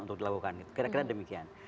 untuk dilakukan kira kira demikian